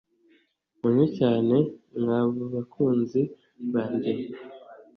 munywe cyane mwa bakunzi banjye mwe